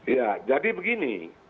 ya jadi begini